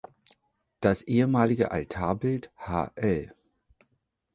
Das ehemalige Altarbild hl.